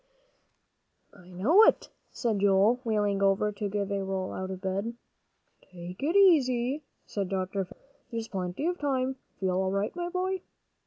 "I know it," said Joel, wheeling over to give a roll out of bed. "Take it easy," said Dr. Fisher, "there's plenty of time. Feel all right, my boy?"